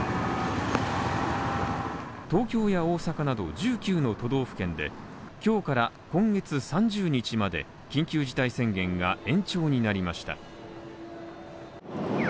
東京や大阪など１９の都道府県で今日から今月３０日まで緊急事態宣言が延長になりました。